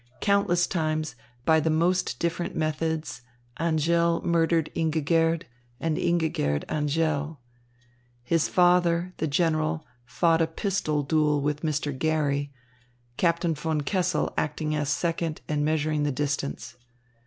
Countless times, by the most different methods, Angèle murdered Ingigerd and Ingigerd Angèle. His father, the general, fought a pistol duel with Mr. Garry, Captain von Kessel acting as second and measuring the distance.